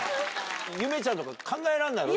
ゆめちゃんとか考えられないだろ？